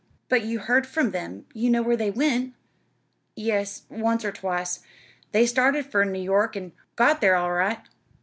"But you heard from them you knew where they went?" "Yes, once or twice. They started fur New York, an' got thar all right.